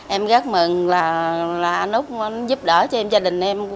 em rất mừng là anh úc giúp đỡ cho em gia đình em